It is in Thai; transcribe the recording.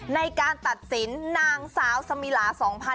ในการตัดสินนางสาวสมิลา๒๕๖๒